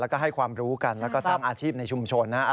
แล้วก็ให้ความรู้กันแล้วก็สร้างอาชีพในชุมชนนะฮะ